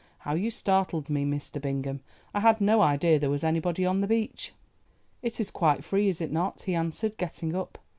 "How you startled me, Mr. Bingham! I had no idea there was anybody on the beach." "It is quite free, is it not?" he answered, getting up.